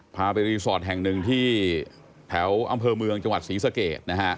พาไปรีสอร์ทแห่งหนึ่งที่แถวอำเภอเมืองจังหวัดศรีสะเกดนะฮะ